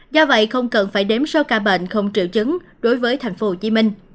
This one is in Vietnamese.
do vậy không cần phải đếm số ca bệnh không triệu chứng đối với tp hcm